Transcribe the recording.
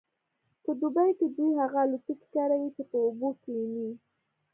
په دوبي کې دوی هغه الوتکې کاروي چې په اوبو کیښني